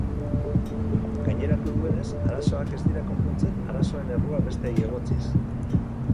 Gaineratu duenez, arazoak ez dira konpontzen arazoen errua besteei egotziz.